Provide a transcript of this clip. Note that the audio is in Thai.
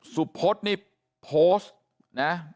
สุพฤษฐ์เนี่ยโพสต์นะ